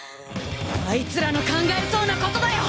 あいつらの考えそうなことだよ！